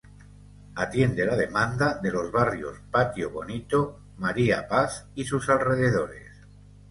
Atiende la demanda de los barrios Patio Bonito, María Paz y sus alrededores.